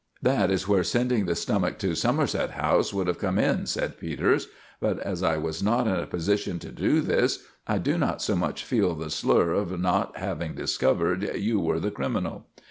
"That is where sending the stomach to Somerset House would have come in," said Peters; "but as I was not in a position to do this, I do not so much feel the slur of not having discovered you were the criminal."